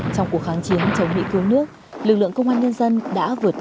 trong cuộc kháng chiến chống mỹ cứu nước lực lượng công an nhân dân đã vượt qua mưa ba